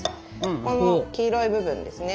この黄色い部分ですね。